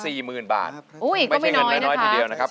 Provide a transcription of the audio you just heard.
อุ๊ยอีกก็ไม่น้อยนะคะอีกก็ไม่น้อยนะคะไม่ใช่เงินน้อยทีเดียวนะครับ